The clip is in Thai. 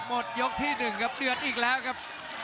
หมดยกที่๑ครับเดือดอีกแล้วครับ